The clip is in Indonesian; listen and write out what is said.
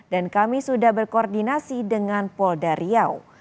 dan kami sudah berkoordinasi dengan polda riau